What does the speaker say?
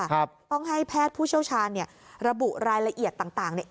ครับต้องให้แพทย์ผู้เชี่ยวชาญเนี่ยระบุรายละเอียดต่างต่างเนี่ย